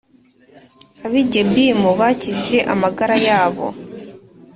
ab’i Gebimu bakijije amagara yabo!